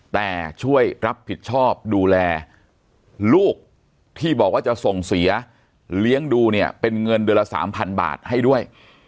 แต่ช่วยรับผิดชอบดูแลลูกที่บอกว่าจะส่งเสียเลี้ยงดูเนี่ยเป็นเงินเดือนละ๓๐๐บาทให้ด้วย